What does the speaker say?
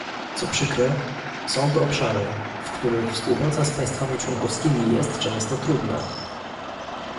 Co przykre, są to obszary, w których współpraca z państwami członkowskimi jest często trudna